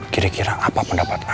kira kira apa pendapat anda